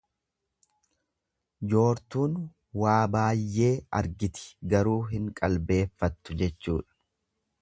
Joortuun waa baayyee argiti garuu hin qalbeeffattu jechuudha.